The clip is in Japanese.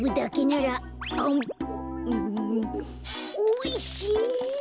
おいしい。